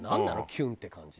キュンって感じ。